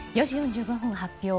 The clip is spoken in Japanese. ４時４５分発表